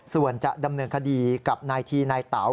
ส่วนจะดำเนินคดีกับนายทีนายเต๋า